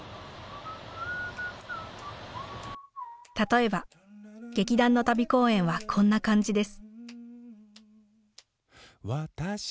例えば劇団の旅公演はこんな感じです。